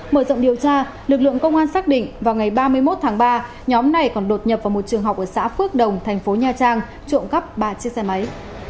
mở rộng điều tra lực lượng công an xác định vào ngày ba mươi một tháng ba nhóm này còn đột nhập vào một trường học ở xã phước đồng thành phố nha trang trộm cắp ba chiếc xe máy